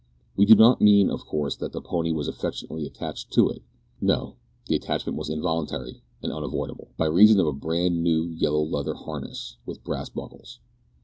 We do not mean, of course, that the pony was affectionately attached to it. No; the attachment was involuntary and unavoidable, by reason of a brand new yellow leather harness with brass buckles.